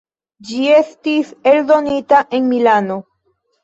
Ĝi estis eldonita en Milano.